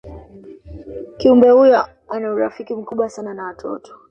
kiumbe huyo ana urafiki mkubwa sana na watoto